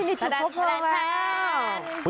นี่จะพบเราแล้ว